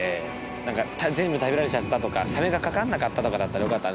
なんか全部食べられちゃってたとかサメが掛かんなかったとかだったらよかった。